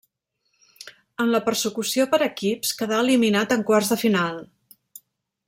En la persecució per equips quedà eliminat en quarts de final.